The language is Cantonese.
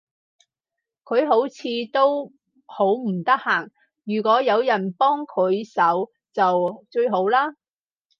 佢好似都好唔得閒，如果有人幫佢手就最好嘞